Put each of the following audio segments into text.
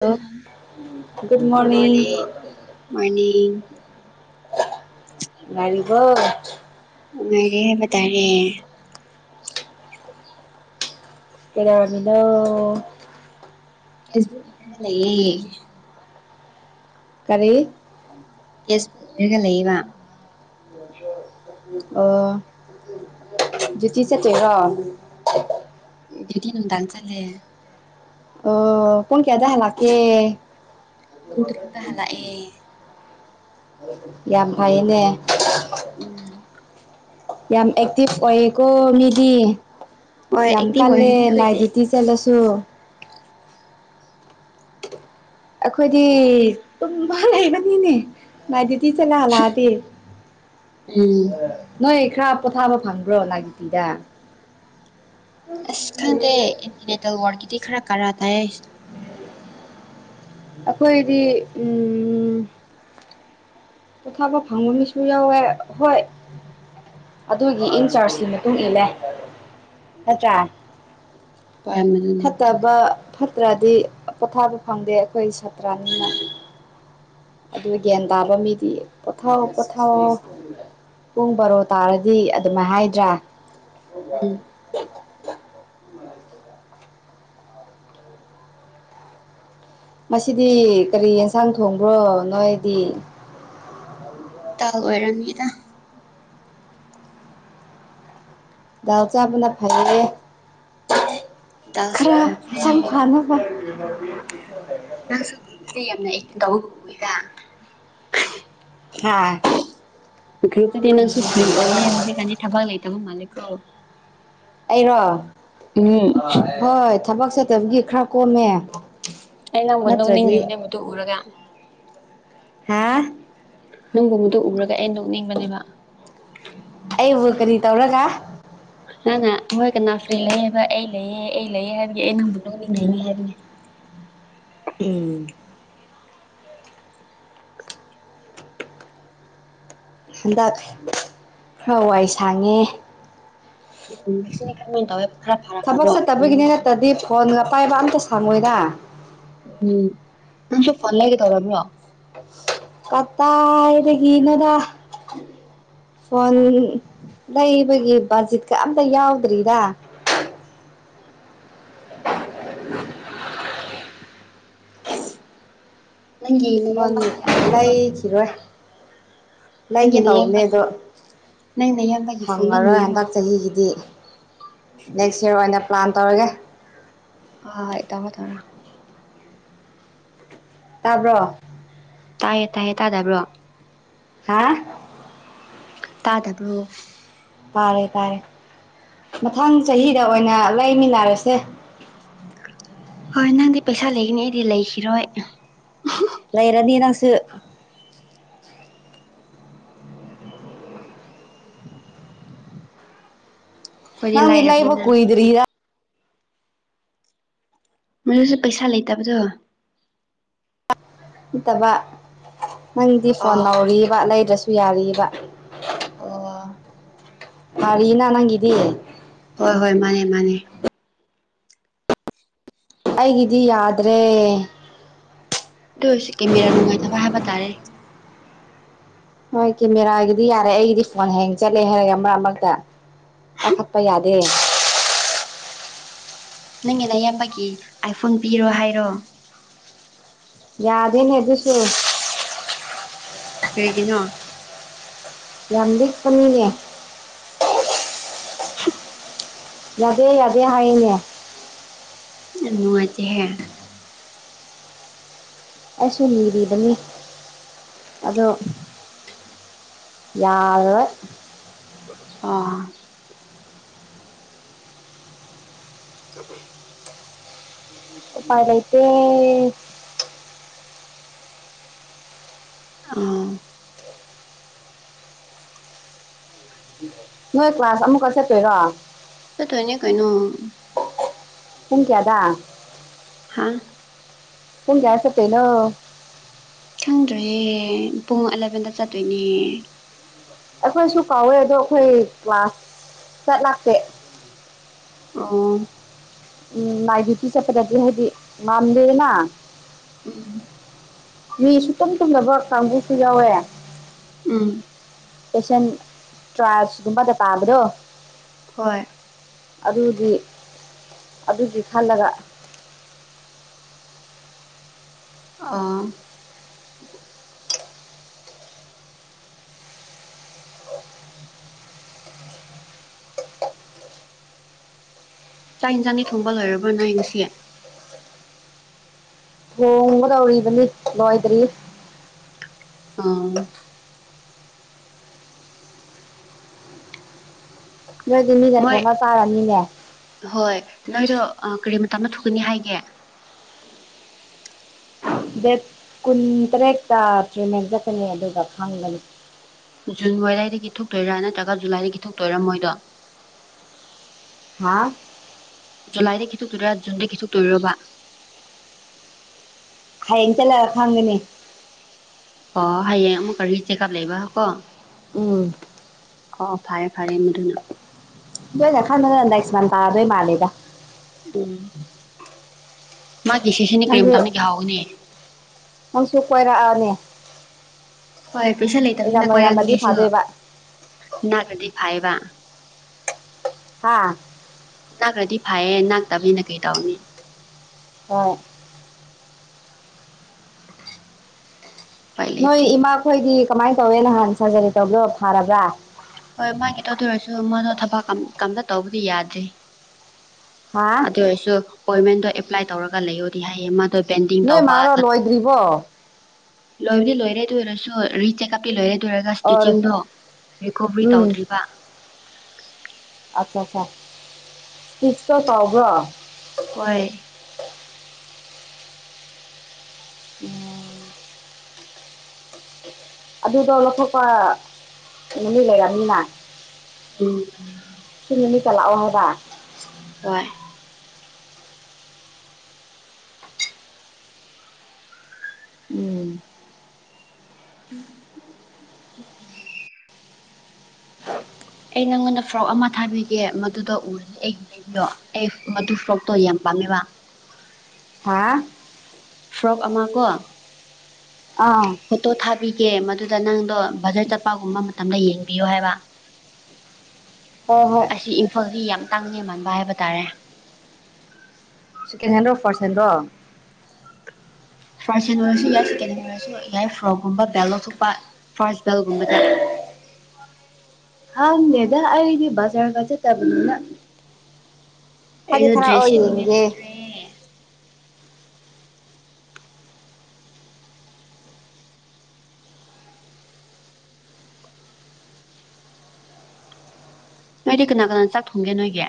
Hello morning morning ꯅꯨꯉꯏꯔꯤꯕꯣ ꯅꯨꯉꯏꯔꯤꯍꯏꯕꯇꯥꯥꯔꯦ ꯀꯩꯗꯣꯔꯝꯃꯤꯅꯣ ꯐꯦꯁꯕꯨꯛ ꯌꯦꯛꯉꯒ ꯂꯩꯌꯦ ꯀꯔꯤ ꯀꯦꯁꯕꯨꯛ ꯌꯪꯔꯒ ꯂꯩꯌꯦꯕ [inaudible] ꯑꯣ ꯗꯨꯇꯤ ꯆꯠꯇꯣꯏꯔꯣ ꯗꯨꯇꯤ ꯅꯨꯡꯗꯡꯆꯠꯂꯦ ꯑꯣ ꯄꯨꯡ ꯀꯌꯥꯗ ꯍꯥꯜꯂꯛꯀꯦ ꯄꯨꯡꯇꯔꯨꯛꯇ ꯍꯜꯂꯛꯑꯦ ꯌꯥꯝ ꯐꯩꯌꯦꯅꯦ ꯎꯝ ꯌꯥꯝ ꯑꯦꯛꯇꯤꯚ ꯑꯣꯏꯌꯦꯀꯣ ꯃꯤꯗꯤ ꯍꯣꯏ ꯌꯥꯝ ꯑꯦꯛꯇꯤꯚ ꯀꯜꯂꯦ ꯑꯣꯏꯒꯅꯤ ꯑꯩꯈꯣꯏꯗꯤ ꯅꯥꯏꯠꯗꯨꯇꯤ ꯆꯠꯂꯁꯨ ꯑꯩꯈꯣꯏꯗꯤ ꯇꯨꯝꯕ ꯂꯩꯕꯅꯤꯅꯦ ꯎꯝ [unintelligible] ꯅꯣꯏ ꯈꯔ ꯄꯣꯊꯥꯕ ꯐꯪꯕ꯭ꯔꯣ ꯂꯥꯏꯒꯤꯇꯤꯗ꯫ ꯑꯁ ꯈꯪꯗꯦ ꯏꯟꯇꯤꯅꯦꯇꯦꯜ ꯋꯥꯔꯒꯤꯗꯤ ꯈꯔ ꯀꯔꯥ ꯇꯥꯏꯌꯦ꯫ ꯑꯩꯈꯣꯏꯗꯤ ꯎꯝ ꯄꫭꯊꯥꯕ ꯐꯪꯕ ꯃꯤꯁꯨ ꯌꯥꯎꯑꯦ ꯍꫭꯏ꯫ ꯑꯗꯨꯒꯤ ꯏꯟ ꯆꯥꯔꯖꯀꯤ ꯃꯇꯨꯡ ꯏꯜꯂꯦ ꯅꯠꯇ꯭ꯔꯥ꯫ ꯍꯣꯏ ꯃꯗꯨꯅꯦ ꯃꯗꯨꯅꯦ ꯐꯠꯇꯕ ꯐꯠꯇ꯭ꯔꯗꯤ ꯄꯣꯊꯥꯕ ꯐꯪꯗꯦ ꯑꯩꯈꯣꯏ ꯁꯥꯇ꯭ꯔꯅꯤꯅ꯫ ꯑꯗꯨ ꯒ꯭ꯌꯥꯟ ꯇꯥꯕ ꯃꯤꯗꯤ ꯄꯣꯊꯥꯑꯣ ꯄꯣꯊꯥꯑꯣ꯫ ꯄꯨꯡ ꯕꯥꯔꯣ ꯇꯥꯔꯗꯤ ꯑꯗꯨꯝꯥꯏ ꯍꯥꯏꯗ꯭ꯔꯥ꯫ [inaudible] ꯃꯁꯤꯗꯤ ꯀꯔꯤ ꯌꯦꯟꯁꯥꯡ ꯊꯣꯡꯕ꯭ꯔꯣ ꯅꯣꯏꯗꯤ꯫ ꯇꯜ ꯑꯣꯏꯔꯝꯃꯤꯗ꯫ ꯗꯥꯜ ꯆꯥꯕꯅ ꯐꯔꯦꯍꯦ꯫ [inaudible] [inaudible] ꯅꯪꯁꯨ ꯒ꯭ꯔꯨꯞꯇꯨꯗ ꯌꯥꯝꯅ ꯑꯦꯛꯇꯤ ꯇꯧ ꯎꯏꯗꯥ꯫ ꯍꯥ ꯄꯨꯈ꯭ꯔꯨꯞꯇꯗꯤ ꯅꯪꯁꯨ ꯐ꯭ꯔꯤ ꯑꯣꯏꯌꯦ ꯍꯧꯖꯤꯛꯀꯥꯟꯗꯤ ꯊꯕꯛ ꯂꯩꯇꯕ ꯃꯥꯜꯂꯦꯀꫭ꯫ ꯑꯩꯔꯣ ꯎꯝ ꯍꯣꯏ ꯊꯕꯛ ꯆꯠꯇꯕꯒꯤ ꯈꯔ ꯀꯣꯝꯃꯦ꯫ ꯑꯩ ꯅꯪꯕꯨ ꯅꯠꯇ꯭ꯔꯗꯤ ꯅꯣꯡꯅꯤꯡꯔꯤꯕꯅꯦ ꯃꯗꯨ ꯎꯔꯒ꯫ ꯍꯥ꯫ ꯅꯪꯒꯨꯝꯕꯗꯨ ꯎꯔꯒ ꯑꯩ ꯅꯣꯛꯅꯤꯡꯕꯅꯦꯕ꯫ ꯑꯩꯕꯨ ꯀꯔꯤ ꯇꯧꯔꯒꯥ꯫ ꯅꯪꯅ ꯍꯣꯏ ꯀꯅꯥ ꯐ꯭ꯔꯤ ꯂꯩꯌꯦꯕ ꯑꯩ ꯂꯩꯑꯦ ꯑꯩ ꯂꯩꯑꯦ ꯍꯥꯏꯕꯒꯤ ꯑꯩ ꯅꯪꯕꯨ ꯅꫭꯛꯅꯤꯡꯔꯤꯅꯤ ꯍꯥꯏꯕꯅꯤ꯫ ꯎꯝ꯫ ꯍꯟꯗꯛ ꯈꯔ ꯋꯥꯏ ꯁꯥꯡꯉꯦ꯫ [inaudible] ꯐꫭꯟꯒ ꯄꯥꯏꯕ ꯑꯝꯇ ꯁꯪꯑꫭꯏꯗꯥ꯫ ꯎꯝ ꯅꯁꯨ ꯐꫭꯟ ꯂꯩꯒꯦ ꯇꯧꯔꯕ꯭ꯔꯣ꯫ ꯀꯗꯥꯏꯗꯒꯤꯅꫭꯗ꯫ [inaudible] ꯐꯣꯟ ꯂꯩꯕꯒꯤ ꯕꯖꯤꯠꯀ ꯑꯝꯇ ꯌꯥꯎꯗ꯭ꯔꯤꯗꯥ꯫ [inaudible] ꯅꯪꯒꯤ ꯐꫭꯟ ꯅꯌꯥꯝꯕꯒꯤ ꯑꯥꯏꯐꯣꯟꯗꯣ ꯅꯤꯅꯤꯡꯕ ꯂꯩꯈꯤꯔꯣꯏ ꯅꯪꯒꯤ ꯂꯩꯒꯦ ꯇꯧꯕꯅꯦ ꯅꯌꯥꯝꯕꯒꯤ ꯑꯗꯣ ꯅꯪ ꯅꯌꯥꯝꯕꯒꯤ ꯐꯣꯟꯗꯣ ꯐꯪꯉꯔꯣꯏ ꯅꯤꯔꯣ ꯍꯟꯗꯛ ꯆꯍꯤꯒꯤꯗꯤ꯫ ꯅꯦꯛꯁ ꯌꯔ ꯑꯣꯏꯅ ꯄ꯭ꯂꯥꯟ ꯇꯧꯔꯒꯦ꯫ ꯍꯥꯏ ꯇꯧꯔꫭ ꯇꯧꯔꫭ꯫ ꯇꯥꯕ꯭ꯔꯣ꯫ ꯇꯥꯏꯌꯦ ꯇꯥꯏꯌꯦ ꯇꯥꯗꯕ꯭ꯔꯣ꯫ ꯍꯥ꯫ ꯇꯥꯗꯕ꯭ꯔꯣ꯫ ꯇꯥꯔꯦ ꯇꯥꯔꯦ ꯃꯊꯪ ꯆꯍꯤꯗ ꯑꯣꯏꯅ ꯂꯩꯃꯤꯟꯅꯔꯁꯦ꯫ ꯍꯣꯏ ꯅꯪꯗꯤ ꯄꯩꯁꯥ ꯂꯩꯒꯅꯤ ꯑꯩꯗꯤ ꯂꯩꯈꯤꯔꯣꯏ꯫ ꯂꯥꯏꯔꯅꯤ ꯅꯪꯁꯨ꯫ ꯑꯩꯈꯣꯏꯗꯤ ꯅꯪꯗꯤ ꯂꯩꯕ ꯂꯥꯏꯔꯕꯅꯤꯅ ꯀꯨꯏꯗ꯭ꯔꯤꯔ ꯃꯗꯨꯁꯨ ꯄꯩꯁꯥ ꯂꯩꯇꯕꯗꯣ꯫ ꯅꯠꯇꯕ ꯅꯪꯗꯤ ꯐꯣꯟ ꯑꯣ ꯅꯧꯔꯤꯕ ꯂꯩꯗ꯭ꯔꯁꯨ ꯌꯥꯔꯤꯕ ꯑꯣ ꯐꯥꯔꯤꯅ ꯅꯪꯒꯤꯗꯤ ꯍꯣꯏ ꯍꯣꯏ ꯃꯥꯅꯦ ꯃꯥꯅꯦ ꯑꯩꯒꯤꯗꯤ ꯌꯥꯗ꯭ꯔꯦ ꯑꯗꯨ ꯑꯣꯏꯔꯁꯨ ꯀꯦꯃꯦꯔꯥ ꯅꯨꯡꯉꯥꯏꯇꯕ ꯍꯥꯏꯕ ꯇꯥꯔꯦ ꯍꯣꯏ ꯀꯦꯃꯦꯔꯥꯒꯤꯗꯤ ꯌꯥꯔꯦ ꯑꯩꯒꯤꯗꯤ ꯐꯣꯟ ꯍꯦꯡ ꯆꯠꯂꯦ ꯍꯥꯏꯔꯒ ꯃꯔꯛ ꯃꯔꯛꯇ ꯄꯥꯏꯈꯠꯄ ꯌꯥꯗꯦ ꯅꯪꯒꯤꯅ ꯑꯌꯥꯝꯕꯒꯤ ꯑꯥꯏꯐꯣꯟ ꯄꯤꯔꯣ ꯍꯥꯏꯔꯣ ꯌꯥꯗꯦꯅꯦ ꯑꯗꯨꯁꯨ ꯀꯩꯒꯤ ꯅꯣ ꯌꯥꯝ ꯂꯤꯛꯄꯅꯤꯅꯦ [inaudible] ꯌꯥꯗꯦ ꯌꯥꯗꯦ ꯍꯥꯏꯅꯦ ꯌꯥꯝ ꯅꯨꯡꯉꯥꯏꯇꯦꯍꯦ ꯑꯩꯁꯨ ꯂꯤꯔꯤꯕꯅꯤ ꯑꯗꯣ ꯌꯥꯔꯣꯢ ꯑꯥ [inaudible] ꯎꯄꯥꯢ ꯂꯩꯇꯦ ꯎꯝ ꯅꯣꯏ ꯀ꯭ꯂꯥꯁ ꯑꯃꯨꯛꯀ ꯆꯠꯇꯣꯏꯔꯣ ꯆꯠꯇꯣꯢꯅꯦ ꯀꯩꯅꯣ ꯄꯨꯡ ꯀꯌꯥꯗ ꯍꯥꯥ ꯄꯨꯨꯡ ꯀꯌꯥꯗ ꯆꯠꯇꯣꯢꯅꯣ ꯈꯪꯗꯔꯥꯌꯦ ꯄꯨꯡ ꯑꯂꯚꯦꯟꯗ ꯆꯠꯇꯣꯏꯅꯦ ꯑꯩꯈꯣꯏꯁꯨ ꯀꯥꯎꯋꯦ ꯑꯗꯣ ꯑꯩꯈꯣꯏ ꯀ꯭ꯂꯥꯁ ꯆꯠ ꯂꯥꯛꯇꯦ ꯑꯣ ꯑꯝ ꯂꯥꯢꯒꯤ ꯄꯤꯈꯠꯄꯗ [unintelligible] ꯍꯥꯏꯗꯤ ꯉꯝꯗꯦꯅ ꯎꯝ ꯃꯤ ꯁꯨꯛꯇꯝ ꯇꯨꯝꯗꯕ ꯀꯥꯡꯕꯨꯁꯨ ꯌꯥꯎꯋꯦ ꯎꯝ ꯄꯦꯁꯟ ꯇ꯭ꯔꯥꯞꯁꯒꯨꯝꯕꯗꯣ ꯇꯥꯕꯗꯣ ꯍꯣꯏ ꯑꯗꯨꯗꯤ ꯑꯗꯨꯒꯤ ꯈꯜꯂꯒ ꯑꯥ ꯆꯥꯛ ꯏꯟꯁꯥꯡꯗꯤ ꯊꯣꯡꯕ ꯂꯣꯢꯔꯕꯣ ꯅꯣꯢ ꯉꯁꯤ ꯊꯣꯡꯒꯗꯧꯔꯤꯕꯅꯤ ꯂꯣꯏꯗ꯭ꯔꯤꯌꯦ ꯑꯥ ꯅꯣꯏꯗꯤ ꯃꯤꯅ ꯃꯣꯏ ꯊꯣꯡꯉ ꯆꯥꯔꯝꯅꯤꯅꯦ ꯍꯣꯏ ꯅꯣꯏꯗꯣ ꯀꯔꯤ ꯃꯇꯥꯝꯗ ꯊꯣꯛꯀꯅꯤ ꯍꯥꯏꯒꯦ ꯗꯦꯠ ꯀꯨꯟ ꯇꯔꯦꯠꯇ ꯇ꯭ꯔꯤꯠꯃꯦꯟ ꯆꯠꯀꯅꯤ ꯑꯗꯨꯒ ꯈꯪꯒꯅꯤ ꯖꯨꯟ ꯑꯗꯨꯋꯥꯢꯗꯒꯤ ꯊꯣꯛꯇꯣꯏꯔꯥ ꯅꯠꯇ꯭ꯔꯒ ꯖꯨꯂꯥꯏꯗꯒꯤ ꯊꯣꯛꯇꯣꯏꯔꯥ ꯃꯣꯏꯗꯣ ꯍꯥꯥ ꯖꯨꯂꯥꯏꯗꯒꯤ ꯈꯤꯇꯛꯇꯣꯏ ꯖꯨꯟꯗ ꯈꯤꯇꯣꯛꯇꯣꯏꯔꯕ ꯍꯌꯦꯡ ꯆꯠꯂꯒ ꯈꯪꯒꯅꯤ ꯑꯣ ꯍꯌꯦꯡ ꯑꯃꯨꯛꯀ ꯔꯤ ꯆꯦꯛꯀꯑꯞ ꯂꯩꯕ ꯀꯣ ꯎꯝ ꯑꯣ ꯐꯔꯦ ꯐꯔꯦ ꯃꯗꯨꯅ ꯗꯣ ꯑꯩꯅꯥ ꯈꯟꯕꯗꯥ ꯅꯦꯛꯠ ꯃꯥꯟ ꯇꯥꯗꯣꯏ ꯃꯥꯂꯤꯗ ꯎꯝ ꯃꯥꯒꯤ ꯁꯤꯁꯤꯅꯤ ꯀꯔꯤꯝ ꯅꯪꯁꯨ ꯃꯇꯝꯗꯒꯤ ꯍꯥꯎꯒꯅꯤ ꯅꯪꯁꯨ ꯀꯣꯏꯔꯛꯑꯅꯤ ꯍꯣꯏ ꯄꯩꯁꯟ ꯑꯦꯛꯖꯥꯝ ꯂꯩꯇꯕꯅꯤꯅ ꯀꯣꯏꯔꯛꯅꯦ ꯂꯣꯏꯔꯝꯃꯗꯤ ꯑꯩꯁꯨ ꯐꯥꯗꯣꯏꯕ ꯅꯠꯔꯗꯤ ꯐꯥꯏꯕ ꯍꯥꯥ ꯅꯥꯛꯔꯗꯤ ꯐꯩꯌꯦ ꯅꯥꯛꯇꯕꯅꯤꯅ ꯀꯩ ꯇꯧꯅꯤ ꯍꯣꯏ ꯎꯄꯥꯏ ꯅꯣꯏ ꯂꯩꯇꯦ ꯏꯃꯥꯈꯣꯏꯗꯤ ꯀꯃꯥꯏꯅ ꯇꯧꯋꯦ ꯅꯍꯥꯟ ꯁꯥꯖꯔꯤ ꯇꯧꯒꯣ ꯐꯥꯔꯕ꯭ꯔꯥ ꯍꯣꯏ ꯃꯥꯒꯤꯗꯣ ꯑꯗꯨ ꯑꯣꯢꯔꯁꯨ ꯃꯥꯗꯣ ꯊꯕꯛ ꯀꯝ ꯀꯝꯇ ꯇꯧꯕꯗꯤ ꯌꯥꯗ꯭ꯔꯤ ꯍꯥ ꯑꯗꯨ ꯑꯣꯏꯔꯁꯨ ꯑꯣꯏꯃꯦꯟꯗꯣ ꯑꯦꯄ꯭ꯂꯥꯏ ꯇꯧꯔꯒ ꯂꯩꯌꯣꯗꯤ ꯍꯥꯏꯌꯦ ꯃꯥꯗꯣ ꯕꯦꯟꯗꯤꯡ ꯇꯧꯕ ꯕ‌ꯣ ꯂꯣꯏꯗꯤ ꯂꯣꯏꯔꯦ ꯑꯗꯨ ꯑꯣꯏꯔꯁꯨ ꯔꯤꯆꯦꯛꯀꯞ ꯀꯤ ꯂꯣꯏꯔꯦꯗꯣꯏꯔꯒ ꯑꯣꯔ ꯁ꯭ꯇꯤꯀꯤꯡꯗꯣ ꯔꯤꯀꯣꯕ꯭ꯔꯤ ꯇꯧꯗ꯭ꯔꯤꯕ ꯑꯆꯥꯁꯥ ꯢꯇꯤꯁꯇꯣ ꯇꯧꯕ꯭ꯔꯣ ꯍꯣꯏ ꯑꯗꯨꯗꯣ ꯂꯧꯊꯣꯛꯄ ꯅꯨꯃꯤꯠ ꯂꯩꯔꯝꯅꯤꯅ ꯎꯝ ꯃꯅꯤ ꯃꯅꯦ ꯄꯨꯡ ꯑꯅꯤꯇ ꯂꯥꯛꯑꯣ ꯍꯥꯏꯕ ꯍꯣꯏ ꯎꯝ ꯎꯝ ꯑꯩ ꯅꯪꯉꯣꯟꯗ ꯐ꯭ꯔꯣꯛ ꯑꯃ ꯊꯥꯕꯤꯒꯦ ꯃꯗꯨꯗ ꯎꯔꯗꯤ ꯑꯩꯒꯤꯅꯦ ꯑꯗꯣ ꯑꯩ ꯃꯗꯨ ꯐ꯭ꯔꯣꯛꯇꯣ ꯌꯥꯝ ꯄꯥꯝꯃꯦꯕ ꯍꯥ ꯐ꯭ꯔꯣꯛ ꯑꯃ ꯀꯣ ꯑꯥ ꯐꯣꯇꯣ ꯊꯥꯕꯤꯒꯦ ꯃꯗꯨꯗ ꯅꯪꯗꯣ ꯕꯖꯔ ꯆꯠꯄꯒꯨꯝꯕ ꯃꯇꯝꯗ ꯌꯦꯡꯕꯤꯌꯣ ꯍꯥꯏꯕ ꯍꯣ ꯍꯣꯏ ꯁꯤ ꯏꯝꯐꯥꯜꯗꯤ ꯌꯥꯝ ꯇꯥꯡꯅꯦꯃꯟꯕ ꯍꯥꯏꯕ ꯇꯥꯔꯦ ꯁꯦꯀꯦꯟ ꯍꯦꯟꯔꯣ ꯐꯥꯔꯠ ꯍꯦꯟꯔꯣ ꯐꯥꯔꯁ ꯍꯦꯟ ꯑꯣꯏꯔꯁꯨ ꯌꯥꯏ ꯁꯦꯀꯦꯟ ꯍꯦꯟ ꯑꯣꯏꯔꯁꯨ ꯌꯥꯏ ꯐ꯭ꯔꯣꯛꯀꯨꯝꯕ ꯕꯦꯜ ꯂꯧꯊꯣꯛꯄ ꯐꯥꯔꯁ ꯕꯦꯜꯒꯨꯝꯕꯗ ꯈꯪꯗꯦꯗꯥ ꯑꯩꯗꯤ ꯕꯖꯔꯒ ꯆꯠꯇꯥꯕꯅꯤꯅꯥ ꯊꯥꯗꯤ ꯊꯔꯛꯑꯣ ꯌꯦꯡꯒꯦ ꯑꯦ ꯅꯣꯏꯗꯤ ꯀꯅꯥ ꯀꯅꯥ ꯆꯥꯛ ꯊꯣꯡꯒꯦ ꯅꯣꯏꯒꯤ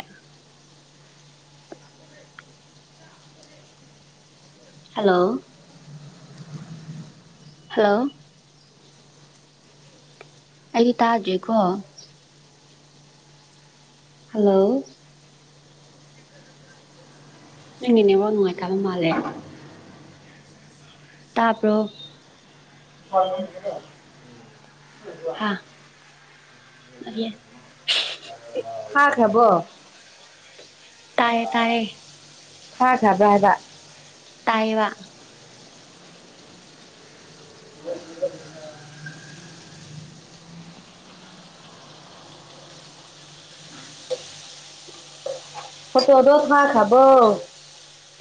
ꯍꯜꯂꯣ ꯍꯜꯂꯣ ꯑꯩꯗꯤ ꯇꯥꯗ꯭ꯔꯤꯀꯣ ꯍꯜꯂꯣ ꯅꯪꯒꯤ ꯅꯦꯠꯋꯥꯛ ꯅꯨꯡꯉꯥꯏꯇꯕ ꯃꯥꯜꯂꯦ ꯇꯥꯕ꯭ꯔꯣ ꯍ [inaudible] ꯍꯥ ꯂꯩꯌꯦ ꯊꯥꯈ꯭ꯔꯕꯣ ꯇꯥꯌꯦ ꯇꯥꯥꯏꯌꯦ ꯊꯥꯈꯕ꯭ꯔ ꯍꯥꯏꯕ ꯇꯥꯏꯌꯦꯕꯥ ꯐꯣꯇꯣꯗꯣ ꯊꯥꯈꯔꯥꯕꯣ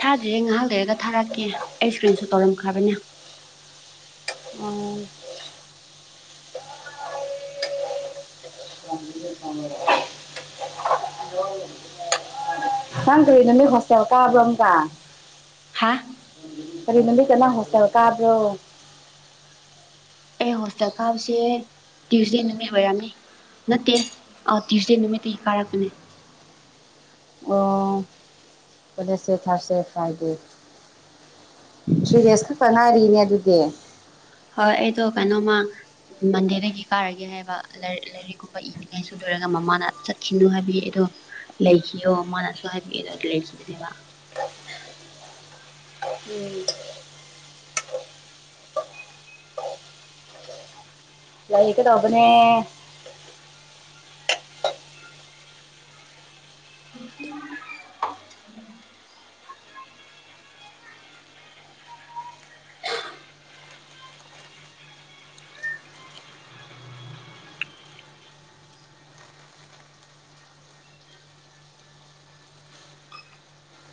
ꯊꯥꯗ꯭ꯔꯤꯌꯦ ꯉꯥꯏꯍꯥꯛ ꯂꯩꯔꯒ ꯊꯥꯔꯛꯀꯦ ꯑꯩ ꯏꯁꯀ꯭ꯔꯤꯟꯁꯨ ꯇꯧꯔꯝꯈ꯭ꯔꯕꯅꯦ ꯑꯝ [unintelligible] ꯅꯪ ꯀꯔꯤ ꯅꯨꯃꯤꯠꯇ ꯍꯣꯁꯇꯦꯜ ꯀꯥꯕꯔꯣ ꯑꯃꯨꯛꯀ ꯍꯥꯥ ꯀꯔꯤ ꯅꯨꯃꯤꯠꯇ ꯅꯪ ꯍꯣꯁꯇꯦꯜ ꯀꯥꯕ꯭ꯔꯣ ꯑꯩ ꯍꯣꯁꯇꯦꯜ ꯀꯥꯕꯁꯦ ꯇ꯭ꯌꯨꯁꯗꯦ ꯅꯨꯃꯤꯠ ꯑꯣꯏꯔꯝꯃꯤ ꯅꯠꯇꯦ ꯑꯧ ꯇ꯭ꯌꯨꯁꯗꯦ ꯅꯨꯃꯤꯠꯇꯒꯤ ꯀꯥꯔꯛꯄꯅꯦ ꯑꯣ ꯋꯦꯗꯅꯦꯁꯗꯦ ꯊꯥꯔꯁꯗꯦ ꯐ꯭ꯔꯥꯏꯗꯦ ꯊ꯭ꯔꯤꯗꯦꯁ ꯈꯛꯇ ꯉꯥꯏꯔꯤꯅꯦ ꯑꯗꯨꯗꯤ ꯍꯣꯏ ꯑꯩꯗꯣ ꯀꯩꯅꯣꯃ ꯃꯟꯗꯦꯗꯒꯤ ꯀꯥꯔꯒꯦ ꯍꯥꯏꯕ ꯂꯥꯏ ꯂꯥꯏꯔꯤꯛꯒꯨꯝꯕ ꯏꯅꯤꯡꯉꯥꯏ ꯁꯨ ꯂꯣꯢꯔꯒ ꯃꯃꯥꯅ ꯆꯠꯈꯤꯅꯨ ꯍꯥꯏꯕꯒꯤ ꯑꯩꯗꯣ ꯂꯩꯈꯤꯌꯣ ꯃꯥꯅꯁꯨ ꯍꯥꯏꯕꯤꯑꯦꯗꯣ ꯂꯩꯈꯤꯕꯅꯦꯕ [inaudible] ꯎꯝ [unintelligible] ꯂꯩꯒꯗꯧꯕꯅꯦ [inaudible]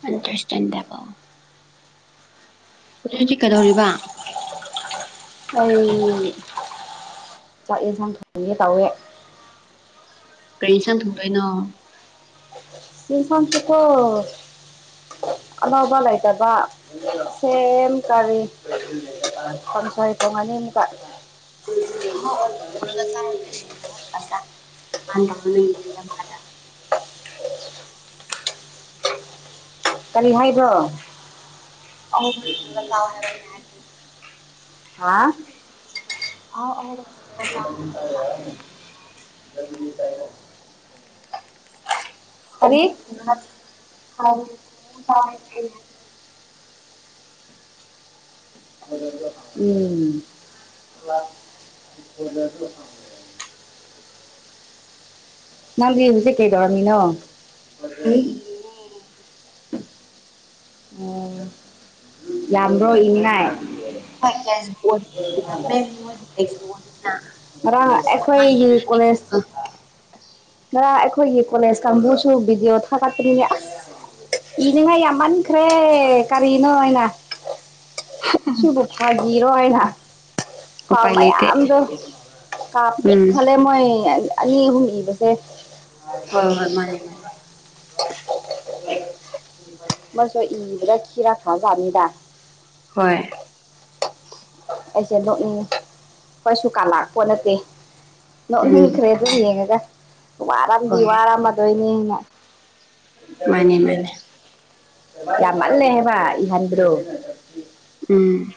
ꯅꯪ ꯈ꯭ꯔꯤꯁꯇꯥꯟꯗꯀꯣ [unintelligible] ꯍꯧꯖꯤꯛ ꯍꯧꯖꯤꯛ ꯀꯩꯗꯧꯔꯤꯕ ꯑꯩ ꯆꯥꯛ ꯌꯦꯟꯁꯥꯡ ꯊꯣꯡꯒꯦ ꯇꯧꯋꯦ ꯀꯔꯤ ꯌꯦꯟꯁꯥꯡ ꯊꯣꯡꯗꯣꯏꯅꯣ ꯏꯁꯥꯟꯁꯤꯀꯣ ꯑꯅꯧꯕ ꯂꯩꯇꯕ ꯁꯦꯝ ꯀꯥꯔꯤ ꯀꯥꯡꯁꯣꯏ ꯊꯣꯡꯉꯅꯤ ꯑꯃꯨꯛꯀ ꯑꯍꯥꯎ ꯑꯊꯔꯒ [unintelligible] ꯆꯥꯔꯒꯔꯅꯤꯅ [unintelligible] ꯌꯥꯝ ꯐꯥꯗ꯭ꯔꯥ ꯃ ꯐꯕ ꯂꯩꯌꯦꯅ ꯌꯥꯝ ꯐꯗ꯭ꯔꯥ ꯀꯔꯤ ꯍꯥꯏꯕ꯭ꯔꯣ [unintelligible] ꯍꯥ [unintelligible] ꯀꯔꯤ [unintelligible] [unintelligible] ꯎꯝ [unintelligible] [unintelligible] ꯅꯪꯗꯤ ꯍꯧꯖꯤꯛ ꯀꯩꯗꯧꯔꯝꯃꯤꯅꯣ ꯎꯝ [unintelligible] ꯑꯣ ꯌꯥꯝꯕ꯭ꯔꯣ ꯏꯅꯤꯉꯥꯏ [unintelligible] ꯉꯔꯥꯡ ꯂꯤꯁꯤꯡ ꯑꯃ ꯑꯩꯈꯣꯏꯒꯤ ꯍꯦꯜꯂꯦꯕꯀꯣ ꯀꯣꯂꯦꯖ ꯉꯔꯥꯡ ꯑꯩꯈꯣꯏꯒꯤ ꯀꯣꯂꯦꯖ ꯀꯥꯡꯕꯨꯁꯨ ꯚꯤꯗꯤꯑꯣ ꯊꯥꯒꯠꯄꯅꯤꯅꯦ ꯑꯁ ꯏꯅꯤꯡꯉꯥꯏ ꯌꯥꯝ ꯃꯟꯈ꯭ꯔꯦ ꯀꯔꯤꯅꯣ ꯑꯩꯅ ꯁꯤꯕꯨ ꯐꯥꯒꯤꯔꯣ ꯑꯩꯅ ꯍꯥꯎ ꯎꯄꯥꯏ ꯂꯩꯇꯦ ꯃꯌꯥꯝꯗꯣ ꯀꯥ ꯄꯤꯛ ꯎꯝ ꯊꯂꯦ ꯃꯣꯏ ꯑꯅꯤ ꯑꯍꯨꯝ ꯏꯕꯁꯦ ꯍꯣꯏ ꯍꯣꯏ ꯃꯥꯅꯦ ꯃꯥꯅꯦ ꯃꯁꯨ ꯏꯕꯗ ꯈꯤꯔꯛꯈꯔ ꯖꯥꯠꯅꯤꯗ ꯍꯣꯏ ꯑꯩꯁꯦ ꯅꯣꯛꯅꯤꯡꯉꯤ ꯈꯣꯏꯁꯨ ꯀꯥꯟꯂꯥꯛꯄꯣ ꯅꯠꯇꯦ ꯎꯝ ꯅꯣꯛꯅꯤꯡꯈ꯭ꯔꯦ ꯑꯗꯨꯝ ꯌꯦꯡꯉꯒ ꯋꯥꯔꯝꯗꯤ ꯍꯣꯏ ꯋꯥꯔꯝꯃꯗꯣꯏꯅꯦ ꯑꯩꯅ ꯃꯥꯅꯦ ꯃꯥꯅꯦ ꯌꯥꯝꯃꯜꯂꯦ ꯍꯥꯏꯕ ꯏꯍꯟꯕꯗꯣ ꯎꯝ